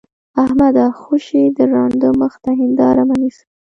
احمده! خوشې د ړانده مخ ته هېنداره مه نيسه.